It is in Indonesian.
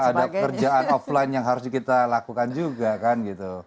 ada kerjaan offline yang harus kita lakukan juga kan gitu